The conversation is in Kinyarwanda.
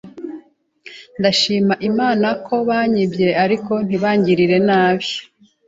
Ndashima Imana ko banyibye, ariko ntibangirire nabi